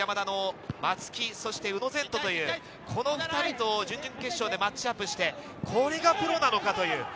去年の青森山田の松木、そして宇野禅斗という、この２人と準々決勝でマッチアップして、これがプロなのか。